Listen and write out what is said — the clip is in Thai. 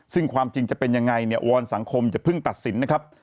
ซึ่งความจริงจะเป็นอย่างไรอวรสังคมจะเพิ่งตัดสินนะครับ